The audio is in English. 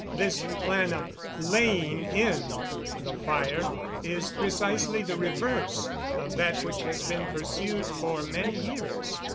This plan of "laying in" the fire is precisely the reverse of that which has been pursued for many years.